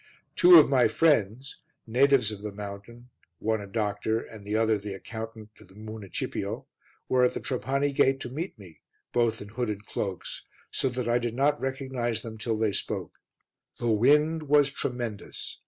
Two of my friends, natives of the mountain, one a doctor and the other the accountant to the Municipio, were at the Trapani gate to meet me, both in hooded cloaks, so that I did not recognize them till they spoke. The wind was tremendous.